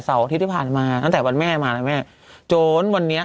อาทิตย์ที่ผ่านมาตั้งแต่วันแม่มานะแม่โจรวันนี้